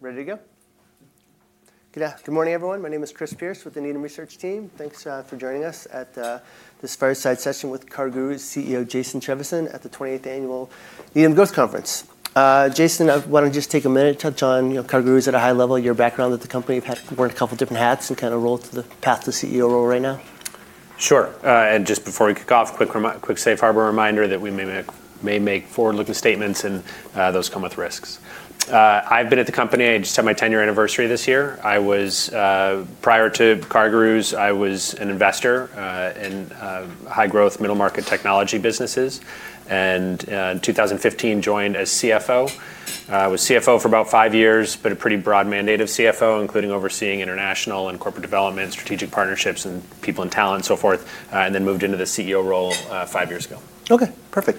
Ready to go? Good morning, everyone. My name is Chris Pierce with the Needham Research team. Thanks for joining us at this fireside session with CarGurus CEO Jason Trevisan at the 28th Annual Needham Growth Conference. Jason, why don't you just take a minute to touch on CarGurus at a high level, your background at the company, you've worn a couple of different hats, and kind of rolled the path to CEO role right now? Sure. And just before we kick off, quick safe harbor reminder that we may make forward-looking statements, and those come with risks. I've been at the company. I just had my 10-year anniversary this year. Prior to CarGurus, I was an investor in high-growth, middle-market technology businesses. And in 2015, I joined as CFO. I was CFO for about five years, but a pretty broad mandate of CFO, including overseeing international and corporate development, strategic partnerships, and people and talent, and so forth. And then moved into the CEO role five years ago. OK, perfect.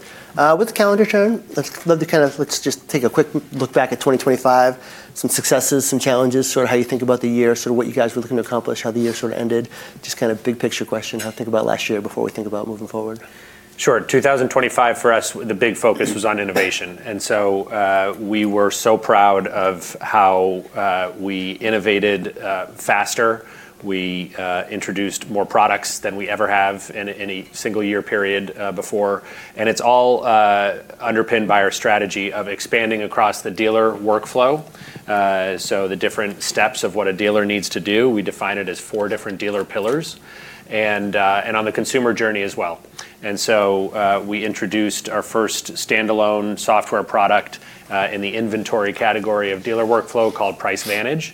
With the calendar shown, let's just take a quick look back at 2025, some successes, some challenges, sort of how you think about the year, sort of what you guys were looking to accomplish, how the year sort of ended. Just kind of big picture question, how to think about last year before we think about moving forward? Sure. In 2025 for us, the big focus was on innovation, and so we were so proud of how we innovated faster. We introduced more products than we ever have in any single year period before, and it's all underpinned by our strategy of expanding across the dealer workflow, so the different steps of what a dealer needs to do, we define it as four different dealer pillars, and on the consumer journey as well, And so we introduced our first standalone software product in the inventory category of dealer workflow called PriceVantage,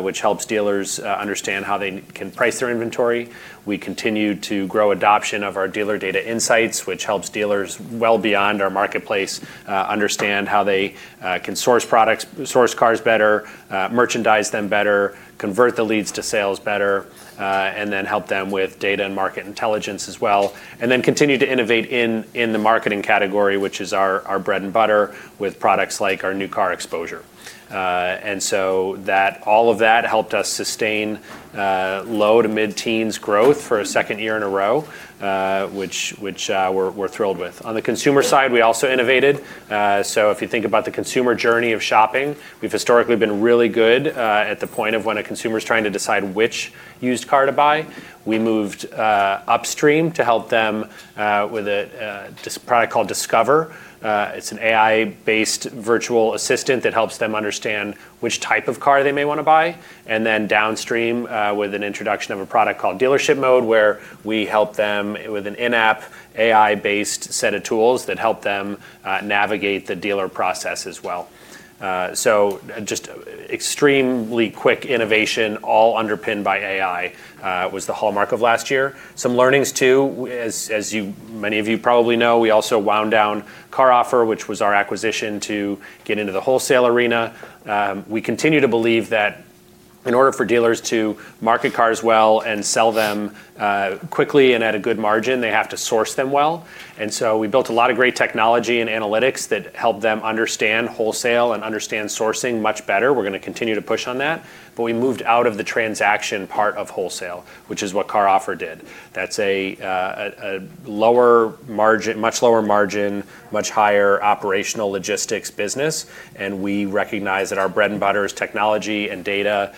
which helps dealers understand how they can price their inventory. We continued to grow adoption of our Dealer Data Insights, which helps dealers well beyond our marketplace understand how they can source products, source cars better, merchandise them better, convert the leads to sales better, and then help them with data and market intelligence as well. And then continue to innovate in the marketing category, which is our bread and butter, with products like our New Car Exposure. And so all of that helped us sustain low to mid-teens growth for a second year in a row, which we're thrilled with. On the consumer side, we also innovated. So if you think about the consumer journey of shopping, we've historically been really good at the point of when a consumer is trying to decide which used car to buy. We moved upstream to help them with a product called Discover. It's an AI-based virtual assistant that helps them understand which type of car they may want to buy. And then downstream with an introduction of a product called Dealership Mode, where we help them with an in-app AI-based set of tools that help them navigate the dealer process as well. So just extremely quick innovation, all underpinned by AI, was the hallmark of last year. Some learnings, too. As many of you probably know, we also wound down CarOffer, which was our acquisition, to get into the wholesale arena. We continue to believe that in order for dealers to market cars well and sell them quickly and at a good margin, they have to source them well. And so we built a lot of great technology and analytics that help them understand wholesale and understand sourcing much better. We're going to continue to push on that. But we moved out of the transaction part of wholesale, which is what CarOffer did. That's a much lower margin, much higher operational logistics business. And we recognize that our bread and butter is technology and data,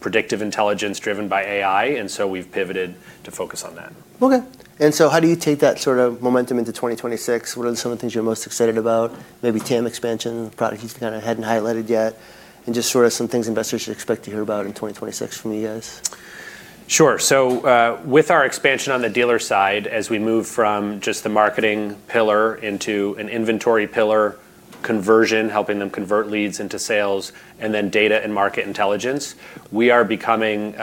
predictive intelligence driven by AI. And so we've pivoted to focus on that. OK, and so how do you take that sort of momentum into 2026? What are some of the things you're most excited about? Maybe TAM expansion, product you can kind of head and highlight it yet, and just sort of some things investors expect to hear about in 2026 from you guys. Sure. So with our expansion on the dealer side, as we move from just the marketing pillar into an inventory pillar conversion, helping them convert leads into sales, and then data and market intelligence, we are becoming,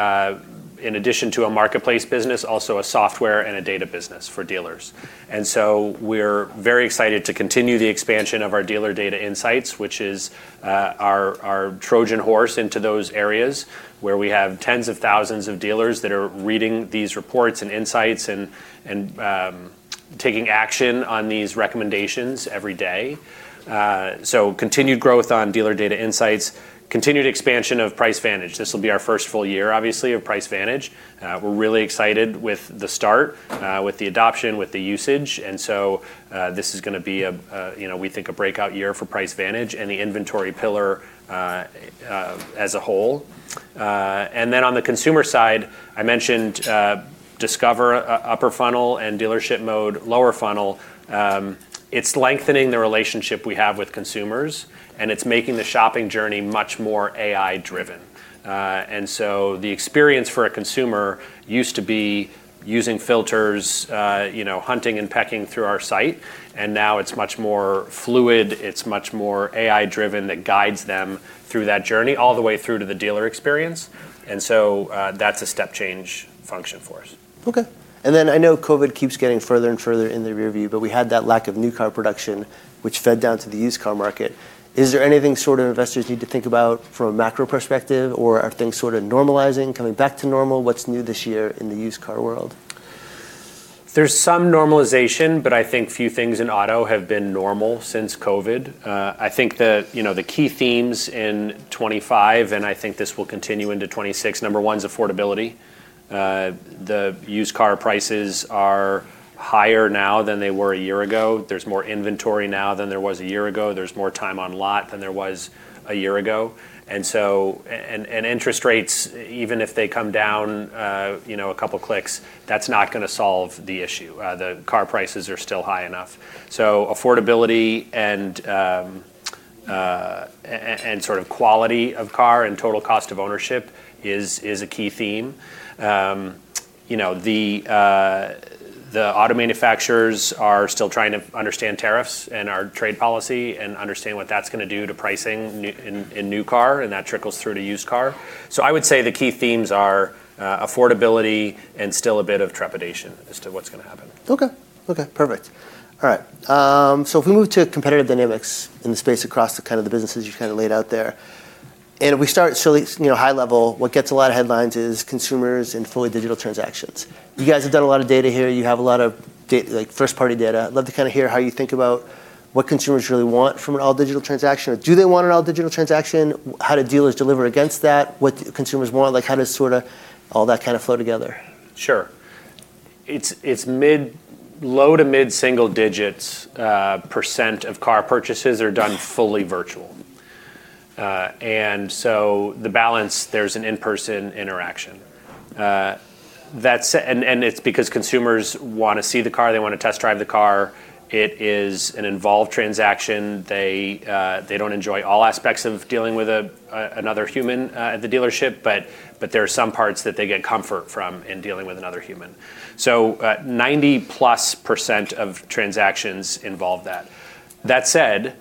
in addition to a marketplace business, also a software and a data business for dealers. And so we're very excited to continue the expansion of our dealer data insights, which is our Trojan horse into those areas where we have tens of thousands of dealers that are reading these reports and insights and taking action on these recommendations every day. So continued growth on dealer data insights, continued expansion of PriceVantage. This will be our first full year, obviously, of PriceVantage. We're really excited with the start, with the adoption, with the usage. And so this is going to be, we think, a breakout year for PriceVantage and the inventory pillar as a whole. And then on the consumer side, I mentioned Discover, upper funnel, and Dealership Mode, lower funnel. It's lengthening the relationship we have with consumers, and it's making the shopping journey much more AI-driven. And so the experience for a consumer used to be using filters, hunting and pecking through our site. And now it's much more fluid. It's much more AI-driven that guides them through that journey all the way through to the dealer experience. And so that's a step change function for us. Okay, and then I know COVID keeps getting further and further in the rearview, but we had that lack of new car production, which fed down to the used car market. Is there anything sort of investors need to think about from a macro perspective, or are things sort of normalizing, coming back to normal? What's new this year in the used car world? There's some normalization, but I think few things in auto have been normal since COVID. I think the key themes in 2025, and I think this will continue into 2026, number one is affordability. The used car prices are higher now than they were a year ago. There's more inventory now than there was a year ago. There's more time on lot than there was a year ago, and interest rates, even if they come down a couple of clicks, that's not going to solve the issue. The car prices are still high enough, so affordability and sort of quality of car and total cost of ownership is a key theme. The auto manufacturers are still trying to understand tariffs and our trade policy and understand what that's going to do to pricing in new car, and that trickles through to used car. I would say the key themes are affordability and still a bit of trepidation as to what's going to happen. OK. OK, perfect. All right. So if we move to competitive dynamics in the space across kind of the businesses you kind of laid out there, and we start high level, what gets a lot of headlines is consumers and fully digital transactions. You guys have done a lot of data here. You have a lot of first-party data. I'd love to kind of hear how you think about what consumers really want from an all-digital transaction. Do they want an all-digital transaction? How do dealers deliver against that? What do consumers want? How does sort of all that kind of flow together? Sure. It's low to mid-single digits% of car purchases are done fully virtual. And so the balance, there's an in-person interaction. And it's because consumers want to see the car. They want to test drive the car. It is an involved transaction. They don't enjoy all aspects of dealing with another human at the dealership, but there are some parts that they get comfort from in dealing with another human. So 90% plus of transactions involve that. That said,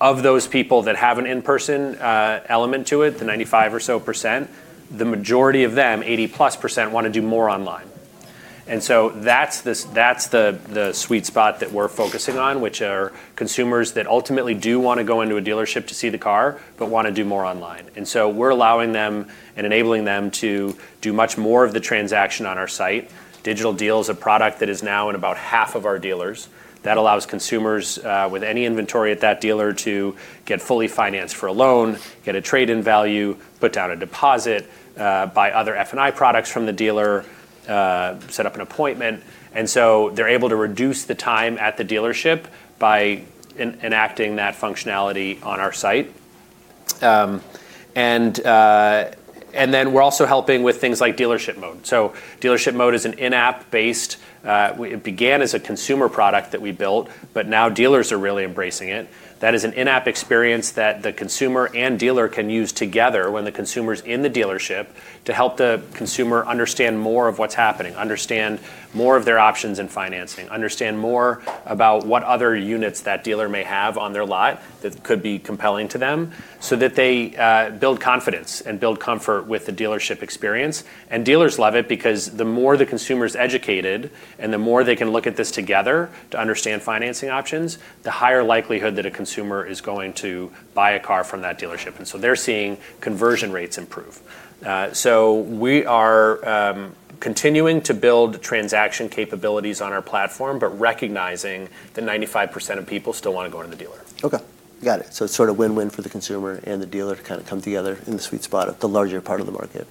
of those people that have an in-person element to it, the 95% or so percent, the majority of them, 80% plus want to do more online. And so that's the sweet spot that we're focusing on, which are consumers that ultimately do want to go into a dealership to see the car but want to do more online. And so we're allowing them and enabling them to do much more of the transaction on our site. Digital Deal is a product that is now in about half of our dealers. That allows consumers with any inventory at that dealer to get fully financed for a loan, get a trade-in value, put down a deposit, buy other F&I products from the dealer, set up an appointment. And so they're able to reduce the time at the dealership by enacting that functionality on our site. And then we're also helping with things like Dealership Mode. So Dealership Mode is an in-app based. It began as a consumer product that we built, but now dealers are really embracing it. That is an in-app experience that the consumer and dealer can use together when the consumer's in the dealership to help the consumer understand more of what's happening, understand more of their options in financing, understand more about what other units that dealer may have on their lot that could be compelling to them, so that they build confidence and build comfort with the dealership experience. And dealers love it because the more the consumer's educated and the more they can look at this together to understand financing options, the higher likelihood that a consumer is going to buy a car from that dealership. And so they're seeing conversion rates improve. So we are continuing to build transaction capabilities on our platform, but recognizing that 95% of people still want to go into the dealer. OK. Got it. So it's sort of win-win for the consumer and the dealer to kind of come together in the sweet spot of the larger part of the market.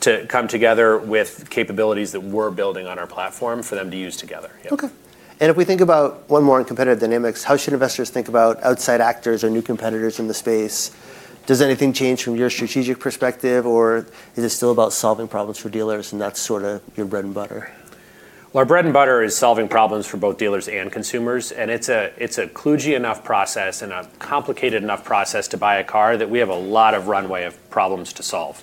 To come together with capabilities that we're building on our platform for them to use together. OK, and if we think about one more on competitive dynamics, how should investors think about outside actors or new competitors in the space? Does anything change from your strategic perspective, or is it still about solving problems for dealers and that's sort of your bread and butter? Our bread and butter is solving problems for both dealers and consumers. It's a kludgy enough process and a complicated enough process to buy a car that we have a lot of runway of problems to solve.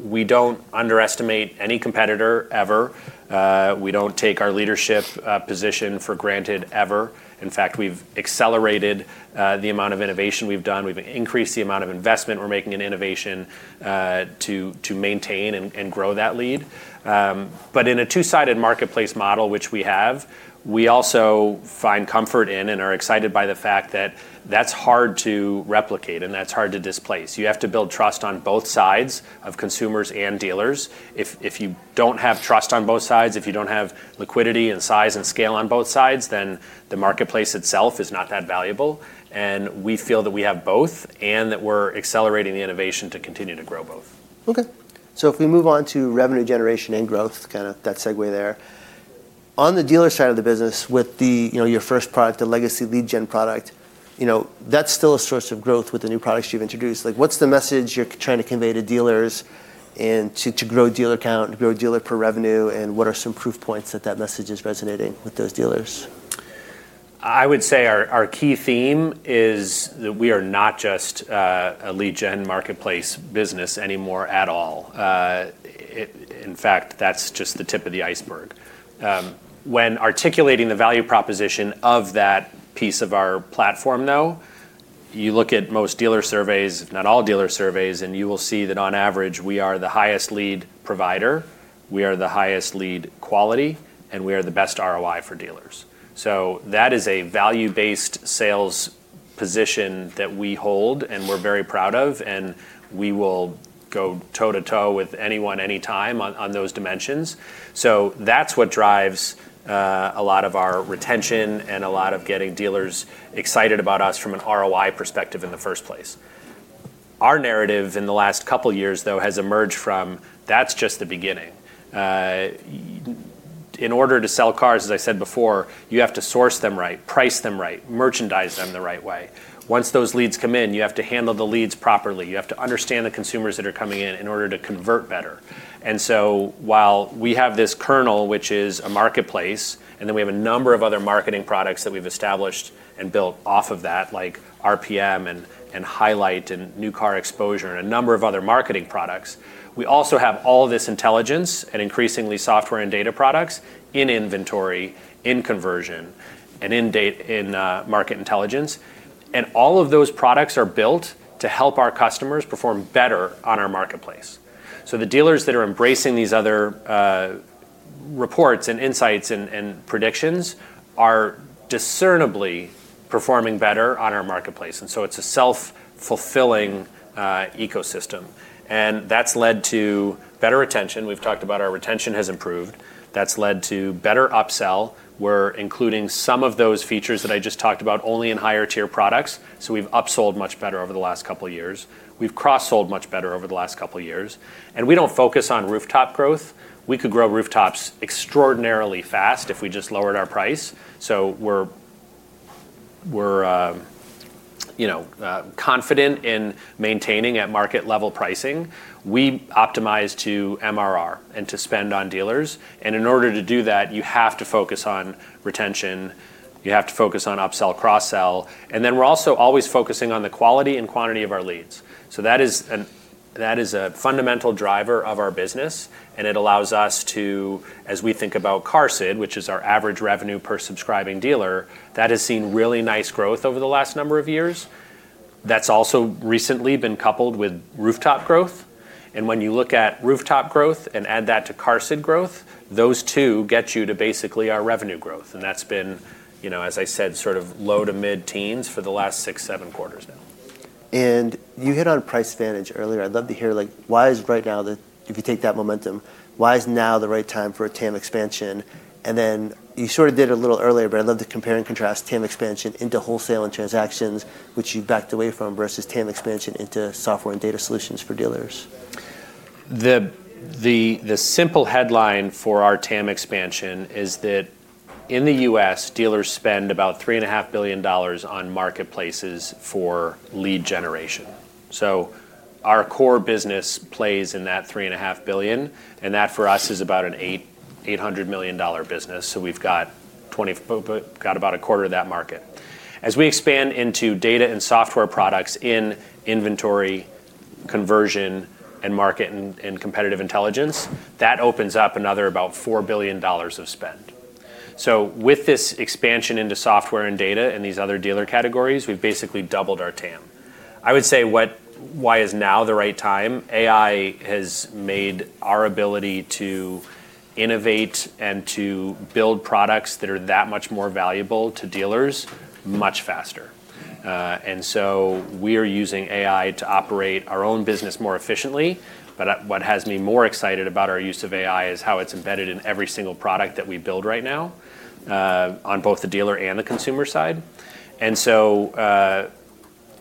We don't underestimate any competitor ever. We don't take our leadership position for granted ever. In fact, we've accelerated the amount of innovation we've done. We've increased the amount of investment we're making in innovation to maintain and grow that lead. In a two-sided marketplace model, which we have, we also find comfort in and are excited by the fact that that's hard to replicate and that's hard to displace. You have to build trust on both sides of consumers and dealers. If you don't have trust on both sides, if you don't have liquidity and size and scale on both sides, then the marketplace itself is not that valuable. And we feel that we have both and that we're accelerating the innovation to continue to grow both. Okay. So if we move on to revenue generation and growth, kind of that segue there, on the dealer side of the business with your first product, the Legacy Lead Gen product, that's still a source of growth with the new products you've introduced. What's the message you're trying to convey to dealers to grow dealer count, grow revenue per dealer, and what are some proof points that that message is resonating with those dealers? I would say our key theme is that we are not just a lead gen marketplace business anymore at all. In fact, that's just the tip of the iceberg. When articulating the value proposition of that piece of our platform, though, you look at most dealer surveys, if not all dealer surveys, and you will see that on average, we are the highest lead provider. We are the highest lead quality, and we are the best ROI for dealers. So that is a value-based sales position that we hold and we're very proud of. And we will go toe to toe with anyone any time on those dimensions. So that's what drives a lot of our retention and a lot of getting dealers excited about us from an ROI perspective in the first place. Our narrative in the last couple of years, though, has emerged from. That's just the beginning. In order to sell cars, as I said before, you have to source them right, price them right, merchandise them the right way. Once those leads come in, you have to handle the leads properly. You have to understand the consumers that are coming in in order to convert better. And so while we have this core, which is a marketplace, and then we have a number of other marketing products that we've established and built off of that, like RPM and Highlight and New Car Exposure and a number of other marketing products, we also have all this intelligence and increasingly software and data products in inventory, in conversion, and in market intelligence. And all of those products are built to help our customers perform better on our marketplace. So the dealers that are embracing these other reports and insights and predictions are discernibly performing better on our marketplace. And so it's a self-fulfilling ecosystem. And that's led to better retention. We've talked about our retention has improved. That's led to better upsell. We're including some of those features that I just talked about only in higher tier products. So we've upsold much better over the last couple of years. We've cross-sold much better over the last couple of years. And we don't focus on rooftop growth. We could grow rooftops extraordinarily fast if we just lowered our price. So we're confident in maintaining at market level pricing. We optimize to MRR and to spend on dealers. And in order to do that, you have to focus on retention. You have to focus on upsell, cross-sell. And then we're also always focusing on the quality and quantity of our leads. So that is a fundamental driver of our business. And it allows us to, as we think about QARSD, which is our average revenue per subscribing dealer, that has seen really nice growth over the last number of years. That's also recently been coupled with rooftop growth. And when you look at rooftop growth and add that to QARSD growth, those two get you to basically our revenue growth. And that's been, as I said, sort of low to mid-teens for the last six, seven quarters now. You hit on PriceVantage earlier. I'd love to hear why is right now, if you take that momentum, why is now the right time for a TAM expansion? You sort of did it a little earlier, but I'd love to compare and contrast TAM expansion into wholesale and transactions, which you've backed away from, versus TAM expansion into software and data solutions for dealers. The simple headline for our TAM expansion is that in the U.S., dealers spend about $3.5 billion on marketplaces for lead generation, so our core business plays in that $3.5 billion, and that for us is about an $800 million business, so we've got about a quarter of that market. As we expand into data and software products in inventory, conversion, and market and competitive intelligence, that opens up another about $4 billion of spend, so with this expansion into software and data and these other dealer categories, we've basically doubled our TAM. I would say why is now the right time? AI has made our ability to innovate and to build products that are that much more valuable to dealers much faster, and so we are using AI to operate our own business more efficiently. But what has me more excited about our use of AI is how it's embedded in every single product that we build right now on both the dealer and the consumer side. And so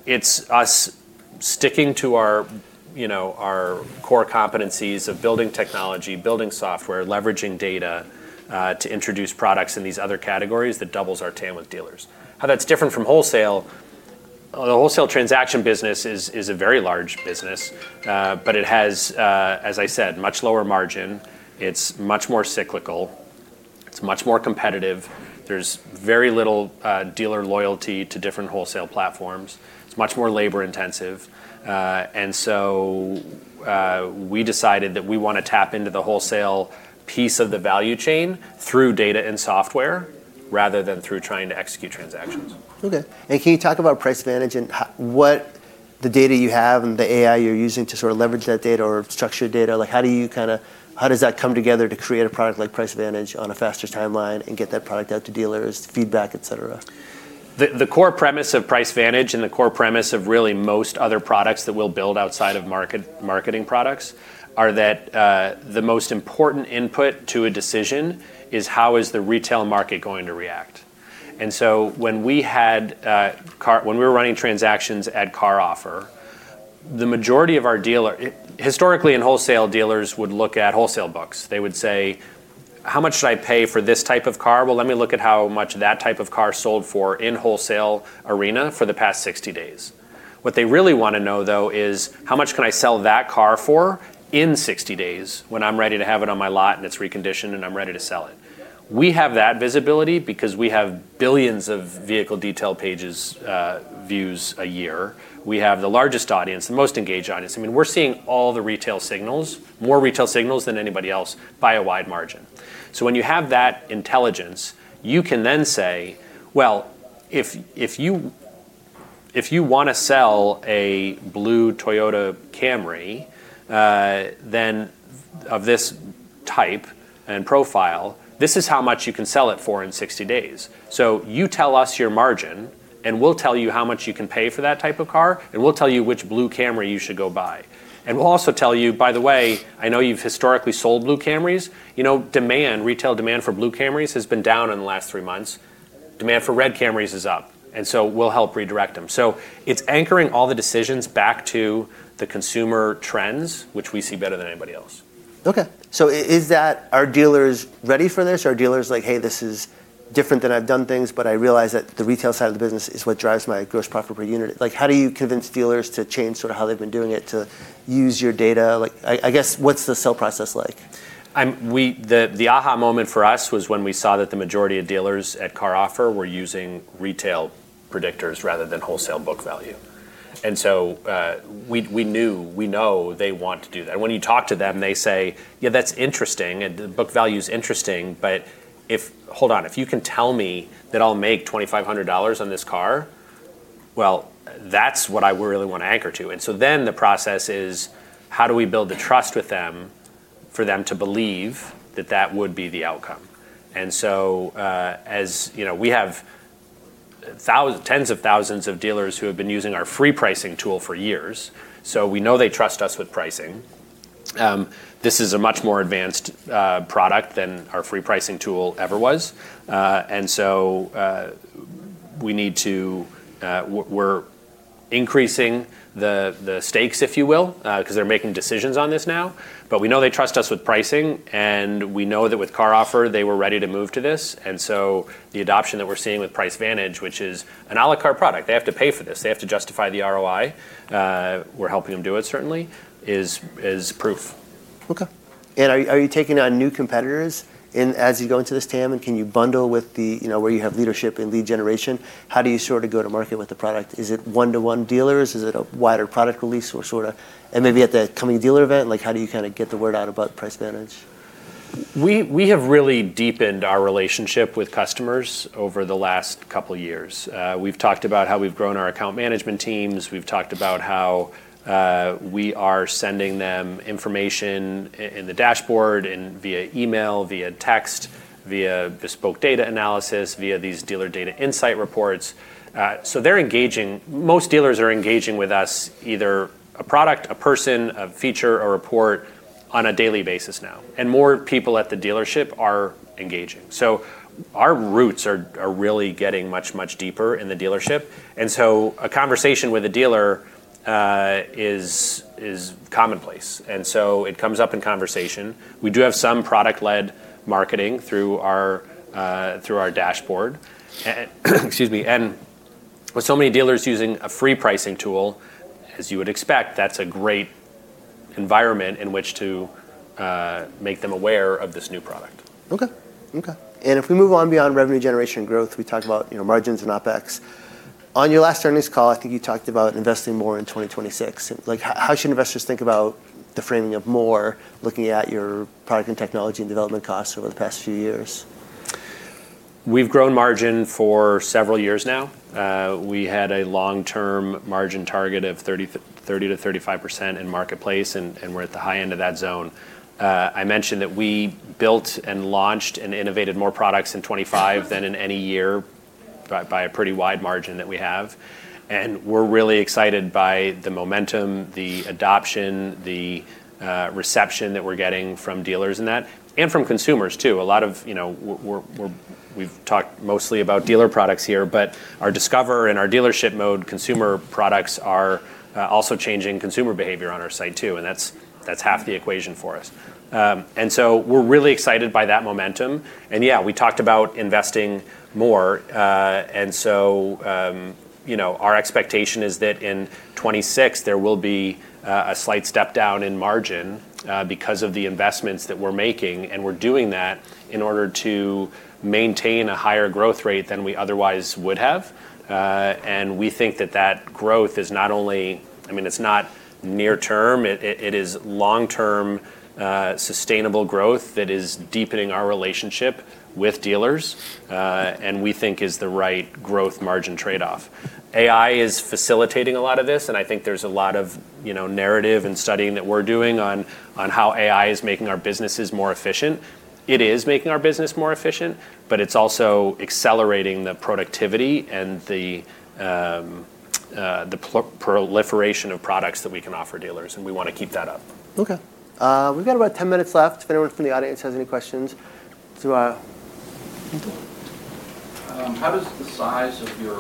it's us sticking to our core competencies of building technology, building software, leveraging data to introduce products in these other categories that doubles our TAM with dealers. How that's different from wholesale, the wholesale transaction business is a very large business, but it has, as I said, much lower margin. It's much more cyclical. It's much more competitive. There's very little dealer loyalty to different wholesale platforms. It's much more labor intensive. And so we decided that we want to tap into the wholesale piece of the value chain through data and software rather than through trying to execute transactions. Okay. And can you talk about PriceVantage and what the data you have and the AI you're using to sort of leverage that data or structure data? How do you kind of, how does that come together to create a product like PriceVantage on a faster timeline and get that product out to dealers, feedback, et cetera? The core premise of PriceVantage and the core premise of really most other products that we'll build outside of marketing products are that the most important input to a decision is how is the retail market going to react. And so when we were running transactions at CarOffer, the majority of our dealers, historically in wholesale dealers, would look at wholesale books. They would say, how much should I pay for this type of car? Well, let me look at how much that type of car sold for in wholesale arena for the past 60 days. What they really want to know, though, is how much can I sell that car for in 60 days when I'm ready to have it on my lot and it's reconditioned and I'm ready to sell it. We have that visibility because we have billions of vehicle detail pages, views a year. We have the largest audience, the most engaged audience. I mean, we're seeing all the retail signals, more retail signals than anybody else by a wide margin. So when you have that intelligence, you can then say, well, if you want to sell a blue Toyota Camry, then of this type and profile, this is how much you can sell it for in 60 days. So you tell us your margin, and we'll tell you how much you can pay for that type of car, and we'll tell you which blue Camry you should go buy. And we'll also tell you, by the way, I know you've historically sold blue Camrys. Demand, retail demand for blue Camrys has been down in the last three months. Demand for red Camrys is up. And so we'll help redirect them. So it's anchoring all the decisions back to the consumer trends, which we see better than anybody else. Okay. So is that our dealers ready for this? Are dealers like, hey, this is different than I've done things, but I realize that the retail side of the business is what drives my gross profit per unit? How do you convince dealers to change sort of how they've been doing it to use your data? I guess what's the sale process like? The aha moment for us was when we saw that the majority of dealers at CarOffer were using retail predictors rather than wholesale book value, and so we knew, we know they want to do that, and when you talk to them, they say, yeah, that's interesting, and the book value is interesting, but hold on, if you can tell me that I'll make $2,500 on this car, well, That's what I really want to anchor to, and so then the process is how do we build the trust with them for them to believe that that would be the outcome, and so we have tens of thousands of dealers who have been using our free pricing tool for years, so we know they trust us with pricing. This is a much more advanced product than our free pricing tool ever was. And so we need to. We're increasing the stakes, if you will, because they're making decisions on this now. But we know they trust us with pricing. And we know that with CarOffer, they were ready to move to this. And so the adoption that we're seeing with PriceVantage, which is an à la carte product, they have to pay for this. They have to justify the ROI. We're helping them do it, certainly, is proof. OK. And are you taking on new competitors as you go into this TAM? And can you bundle with where you have leadership and lead generation? How do you sort of go to market with the product? Is it one-to-one dealers? Is it a wider product release or sort of, and maybe at the coming dealer event? How do you kind of get the word out about PriceVantage? We have really deepened our relationship with customers over the last couple of years. We've talked about how we've grown our account management teams. We've talked about how we are sending them information in the dashboard and via email, via text, via bespoke data analysis, via these dealer data insight reports, so they're engaging. Most dealers are engaging with us either a product, a person, a feature, a report on a daily basis now, and more people at the dealership are engaging. So our roots are really getting much, much deeper in the dealership, and so a conversation with a dealer is commonplace, and so it comes up in conversation. We do have some product-led marketing through our dashboard. Excuse me, and with so many dealers using a free pricing tool, as you would expect, that's a great environment in which to make them aware of this new product. If we move on beyond revenue generation and growth, we talk about margins and OpEx. On your last earnings call, I think you talked about investing more in 2026. How should investors think about the framing of more looking at your product and technology and development costs over the past few years? We've grown margin for several years now. We had a long-term margin target of 30%-35% in marketplace, and we're at the high end of that zone. I mentioned that we built and launched and innovated more products in 2025 than in any year by a pretty wide margin that we have, and we're really excited by the momentum, the adoption, the reception that we're getting from dealers in that and from consumers, too. We've talked mostly about dealer products here, but our Discover and our Dealership Mode consumer products are also changing consumer behavior on our site, too, and that's half the equation for us, so we're really excited by that momentum, and yeah, we talked about investing more, and so our expectation is that in 2026, there will be a slight step down in margin because of the investments that we're making. And we're doing that in order to maintain a higher growth rate than we otherwise would have. And we think that that growth is not only, I mean, it's not near term. It is long-term sustainable growth that is deepening our relationship with dealers and we think is the right growth margin trade-off. AI is facilitating a lot of this. And I think there's a lot of narrative and studying that we're doing on how AI is making our businesses more efficient. It is making our business more efficient, but it's also accelerating the productivity and the proliferation of products that we can offer dealers. And we want to keep that up. OK. We've got about 10 minutes left if anyone from the audience has any questions. How does the size of your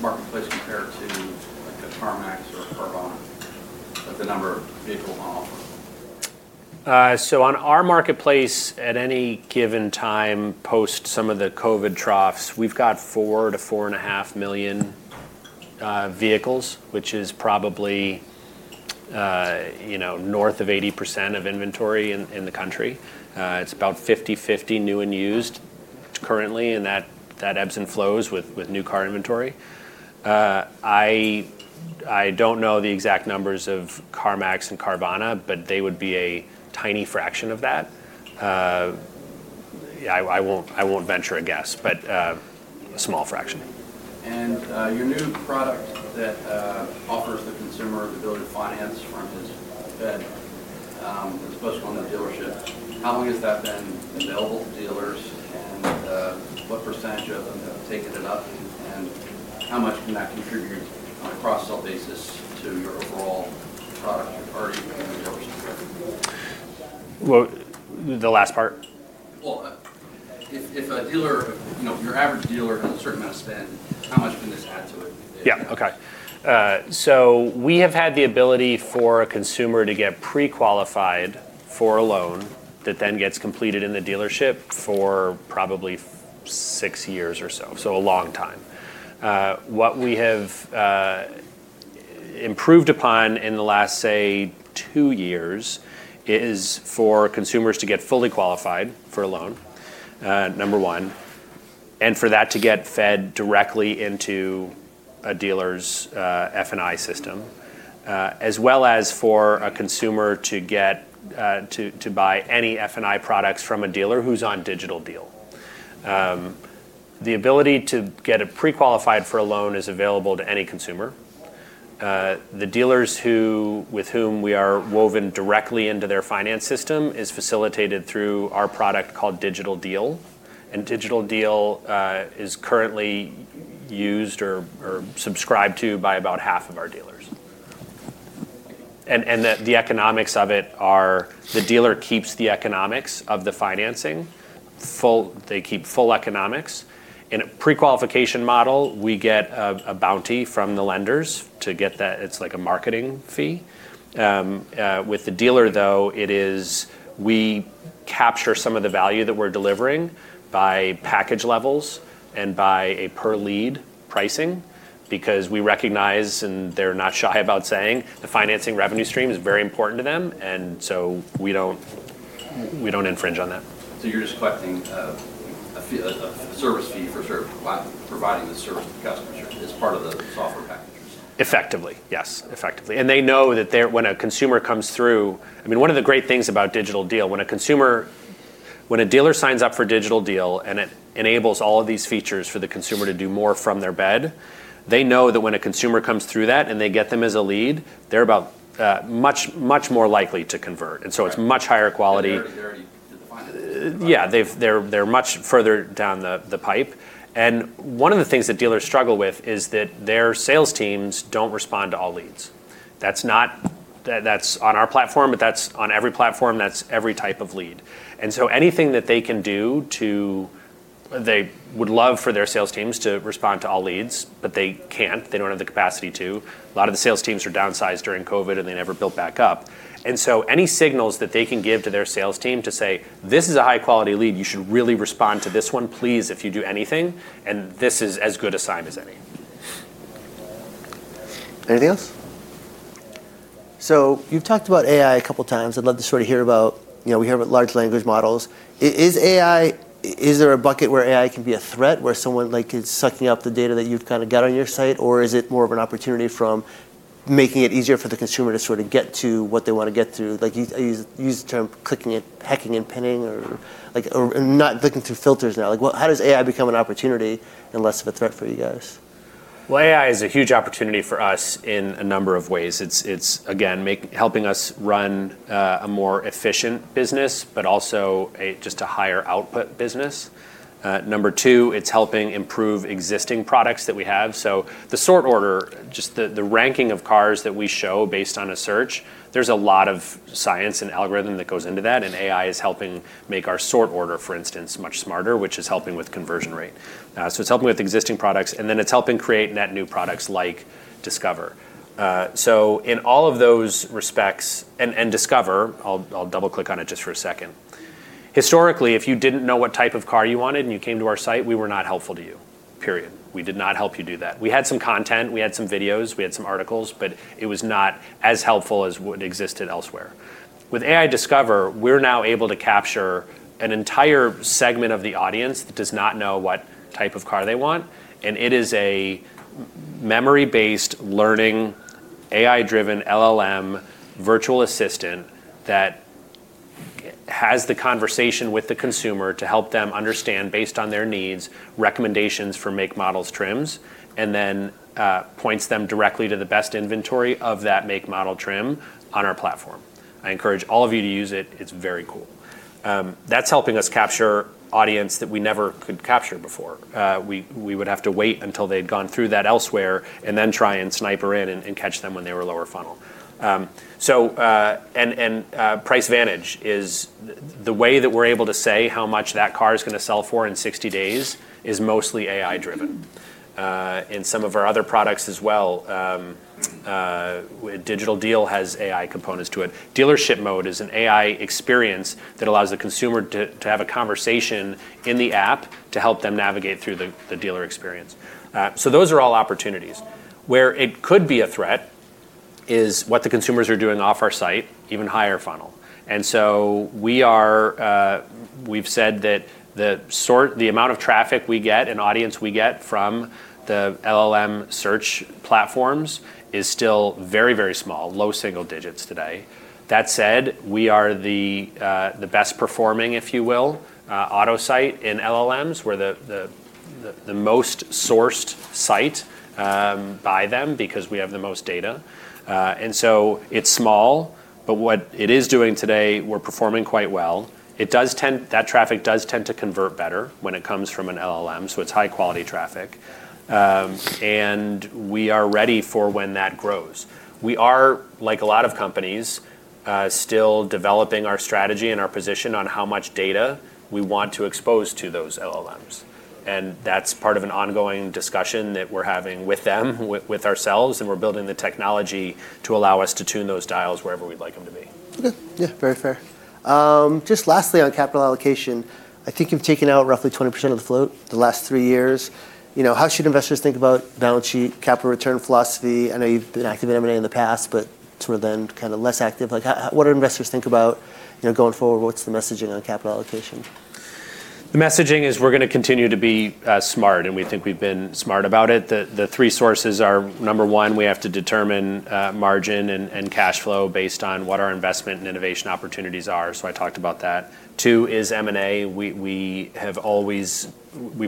marketplace compare to a CarMax or a Carvana? The number of vehicles on offer. So on our marketplace at any given time post some of the COVID troughs, we've got 4 to 4.5 million vehicles, which is probably north of 80% of inventory in the country. It's about 50/50 new and used currently. And that ebbs and flows with new car inventory. I don't know the exact numbers of CarMax and Carvana, but they would be a tiny fraction of that. I won't venture a guess, but a small fraction. Your new product that offers the consumer the ability to finance from his bed is supposed to go on that dealership. How long has that been available to dealers? And what percentage of them have taken it up? And how much can that contribute on a cross-sale basis to your overall product or your dealership? Well, the last part. If a dealer, your average dealer has a certain amount of spend, how much can this add to it? Yeah. OK. So we have had the ability for a consumer to get pre-qualified for a loan that then gets completed in the dealership for probably six years or so, so a long time. What we have improved upon in the last, say, two years is for consumers to get fully qualified for a loan, number one, and for that to get fed directly into a dealer's F&I system, as well as for a consumer to buy any F&I products from a dealer who's on Digital Deal. The ability to get pre-qualified for a loan is available to any consumer. The dealers with whom we are woven directly into their finance system is facilitated through our product called Digital Deal. And Digital Deal is currently used or subscribed to by about half of our dealers. And the economics of it are the dealer keeps the economics of the financing. They keep full economics. In a pre-qualification model, we get a bounty from the lenders to get that. It's like a marketing fee. With the dealer, though, it is we capture some of the value that we're delivering by package levels and by a per-lead pricing because we recognize, and they're not shy about saying, the financing revenue stream is very important to them, and so we don't infringe on that. So you're just collecting a service fee for providing the service to the customers as part of the software packages. Effectively, yes. Effectively, and they know that when a consumer comes through, I mean, one of the great things about Digital Deal, when a dealer signs up for Digital Deal and it enables all of these features for the consumer to do more from their bed, they know that when a consumer comes through that and they get them as a lead, they're much more likely to convert, and so it's much higher quality. They're already there to finance. Yeah. They're much further down the pipe. And one of the things that dealers struggle with is that their sales teams don't respond to all leads. That's on our platform, but that's on every platform. That's every type of lead. And so anything that they can do to, they would love for their sales teams to respond to all leads, but they can't. They don't have the capacity to. A lot of the sales teams were downsized during COVID, and they never built back up. And so any signals that they can give to their sales team to say, this is a high-quality lead. You should really respond to this one, please, if you do anything. And this is as good a sign as any. Anything else? So you've talked about AI a couple of times. I'd love to sort of hear about, we hear about large language models. Is there a bucket where AI can be a threat where someone is sucking up the data that you've kind of got on your site? Or is it more of an opportunity from making it easier for the consumer to sort of get to what they want to get to? You used the term hunting and pecking or not looking through filters now. How does AI become an opportunity and less of a threat for you guys? AI is a huge opportunity for us in a number of ways. It's, again, helping us run a more efficient business, but also just a higher output business. Number two, it's helping improve existing products that we have. So the sort order, just the ranking of cars that we show based on a search, there's a lot of science and algorithm that goes into that. And AI is helping make our sort order, for instance, much smarter, which is helping with conversion rate. So it's helping with existing products. And then it's helping create net new products like Discover. So in all of those respects, and Discover, I'll double-click on it just for a second. Historically, if you didn't know what type of car you wanted and you came to our site, we were not helpful to you. Period. We did not help you do that. We had some content. We had some videos. We had some articles. But it was not as helpful as what existed elsewhere. With AI Discover, we're now able to capture an entire segment of the audience that does not know what type of car they want. And it is a memory-based learning, AI-driven LLM virtual assistant that has the conversation with the consumer to help them understand, based on their needs, recommendations for make models, trims, and then points them directly to the best inventory of that make model trim on our platform. I encourage all of you to use it. It's very cool. That's helping us capture audience that we never could capture before. We would have to wait until they'd gone through that elsewhere and then try and snipe in and catch them when they were lower funnel. PriceVantage is the way that we're able to say how much that car is going to sell for in 60 days is mostly AI-driven. Some of our other products as well, Digital Deal has AI components to it. Dealership Mode is an AI experience that allows the consumer to have a conversation in the app to help them navigate through the dealer experience. Those are all opportunities. Where it could be a threat is what the consumers are doing off our site, even higher funnel. We've said that the amount of traffic we get and audience we get from the LLM search platforms is still very, very small, low single digits today. That said, we are the best performing, if you will, auto site in LLMs. We're the most sourced site by them because we have the most data. It's small. But what it is doing today, we're performing quite well. That traffic does tend to convert better when it comes from an LLM. So it's high-quality traffic. And we are ready for when that grows. We are, like a lot of companies, still developing our strategy and our position on how much data we want to expose to those LLMs. And that's part of an ongoing discussion that we're having with them, with ourselves. And we're building the technology to allow us to tune those dials wherever we'd like them to be. OK. Yeah, very fair. Just lastly on capital allocation, I think you've taken out roughly 20% of the float the last three years. How should investors think about balance sheet, capital return philosophy? I know you've been active in M&A in the past, but sort of then kind of less active. What do investors think about going forward? What's the messaging on capital allocation? The messaging is we're going to continue to be smart. And we think we've been smart about it. The three sources are, number one, we have to determine margin and cash flow based on what our investment and innovation opportunities are. So I talked about that. Two is M&A. We've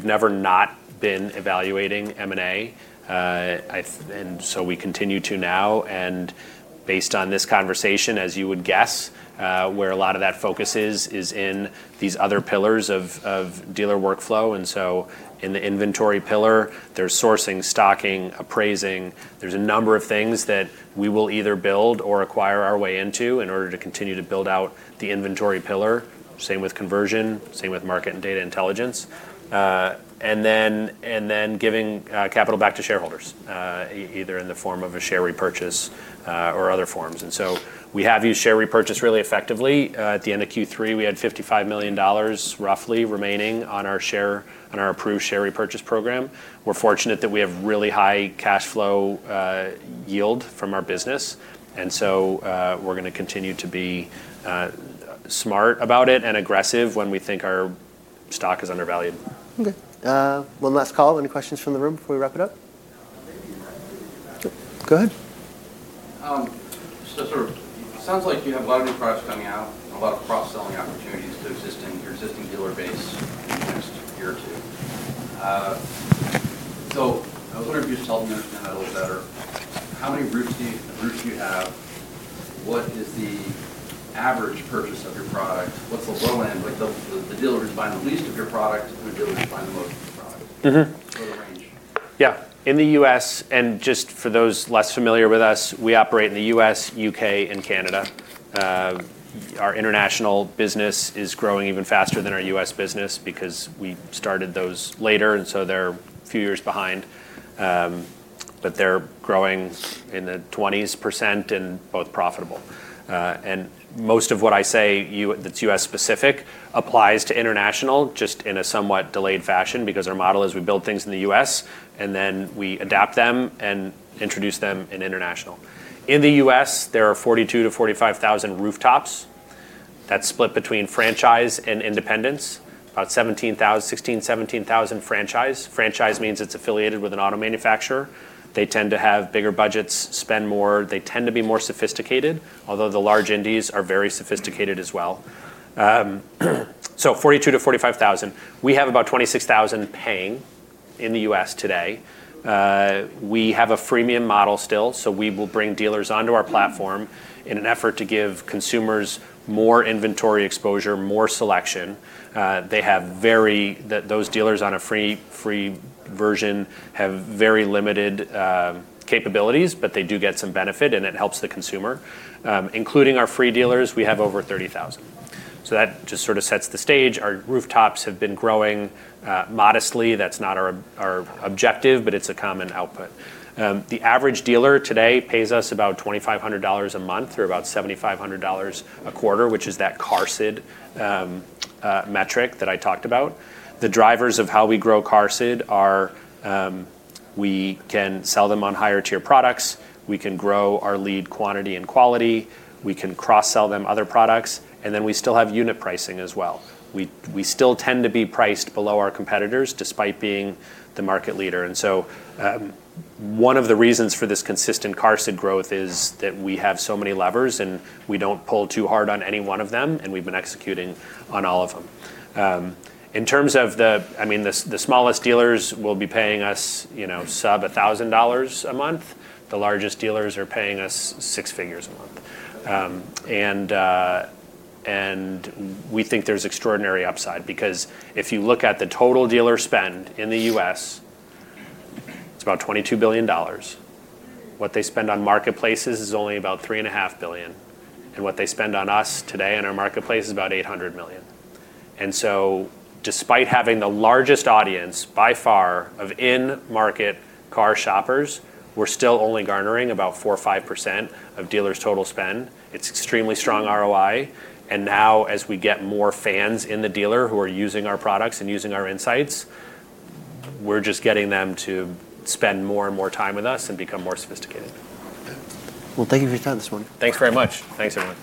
never not been evaluating M&A. And so we continue to now. And based on this conversation, as you would guess, where a lot of that focus is, is in these other pillars of dealer workflow. And so in the inventory pillar, there's sourcing, stocking, appraising. There's a number of things that we will either build or acquire our way into in order to continue to build out the inventory pillar. Same with conversion, same with market and data intelligence. And then giving capital back to shareholders, either in the form of a share repurchase or other forms. And so we have used share repurchase really effectively. At the end of Q3, we had $55 million, roughly, remaining on our approved share repurchase program. We're fortunate that we have really high cash flow yield from our business. And so we're going to continue to be smart about it and aggressive when we think our stock is undervalued. OK. One last call. Any questions from the room before we wrap it up? Go ahead. It sounds like you have a lot of new products coming out and a lot of cross-selling opportunities to existing dealer base in the next year or two. So I was wondering if you could just help me understand that a little better. How many rooftops do you have? What is the average purchase of your product? What's the low end? The dealer who's buying the least of your product and the dealer who's buying the most of your product? What's the range? Yeah. In the U.S., and just for those less familiar with us, we operate in the U.S., U.K., and Canada. Our international business is growing even faster than our U.S. business because we started those later. And so they're a few years behind. But they're growing in the 20% and both profitable. And most of what I say that's U.S.-specific applies to international just in a somewhat delayed fashion because our model is we build things in the U.S., and then we adapt them and introduce them in international. In the U.S., there are 42,000-45,000 rooftops. That's split between franchise and independents, about 16,000 franchise. Franchise means it's affiliated with an auto manufacturer. They tend to have bigger budgets, spend more. They tend to be more sophisticated, although the large indies are very sophisticated as well. So 42,000-45,000. We have about 26,000 paying in the U.S. today. We have a freemium model still. So we will bring dealers onto our platform in an effort to give consumers more inventory exposure, more selection. Those dealers on a free version have very limited capabilities, but they do get some benefit. And it helps the consumer. Including our free dealers, we have over 30,000. So that just sort of sets the stage. Our rooftops have been growing modestly. That's not our objective, but it's a common output. The average dealer today pays us about $2,500 a month or about $7,500 a quarter, which is that QARSD metric that I talked about. The drivers of how we grow QARSD are we can sell them on higher-tier products. We can grow our lead quantity and quality. We can cross-sell them other products. And then we still have unit pricing as well. We still tend to be priced below our competitors despite being the market leader, and so one of the reasons for this consistent QARSD growth is that we have so many levers, and we don't pull too hard on any one of them, and we've been executing on all of them. In terms of the, I mean, the smallest dealers will be paying us sub $1,000 a month. The largest dealers are paying us six figures a month, and we think there's extraordinary upside because if you look at the total dealer spend in the U.S., it's about $22 billion. What they spend on marketplaces is only about $3.5 billion, and what they spend on us today in our marketplace is about $800 million, and so despite having the largest audience by far of in-market car shoppers, we're still only garnering about 4% or 5% of dealers' total spend. It's extremely strong ROI, and now as we get more fans in the dealer who are using our products and using our insights, we're just getting them to spend more and more time with us and become more sophisticated. Thank you for your time this morning. Thanks very much. Thanks very much.